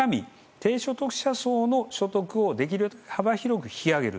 低所得者層の所得をできるだけ幅広く引き上げる。